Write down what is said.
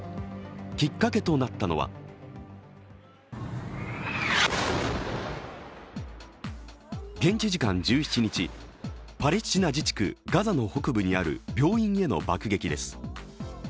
きっかけとなったのは現地時間１７日、パレスチナ自治区ガザの北部にある病院への爆撃です。